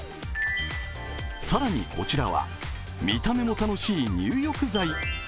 更にこちらは、見た目も楽しい入浴剤。